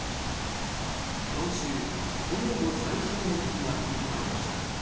今週、今年度最初の年金が振り込まれました。